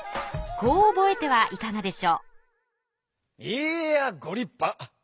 こう覚えてはいかがでしょう？